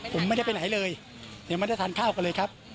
ผมไม่ได้ไปไหนเลยยังไม่ได้ทานข้าวกันเลยครับ